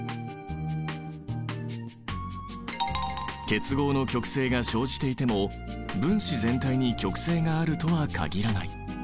結合の極性が生じていても分子全体に極性があるとは限らない。